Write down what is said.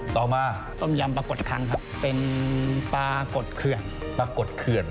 ต่อมาต้มยำปลากดคังครับเป็นปลากดเขื่อนปลากดเขื่อน